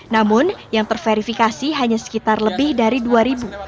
namun yang terverifikasi hanya sekitar lebih dari dua ribu